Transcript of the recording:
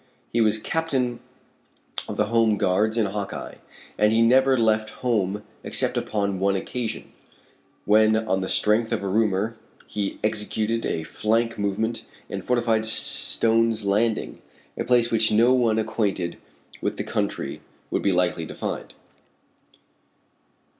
He was captain of the home guards in Hawkeye, and he never left home except upon one occasion, when on the strength of a rumor, he executed a flank movement and fortified Stone's Landing, a place which no one unacquainted with the country would be likely to find.